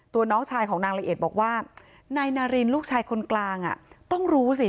น้องชายของนางละเอียดบอกว่านายนารินลูกชายคนกลางต้องรู้สิ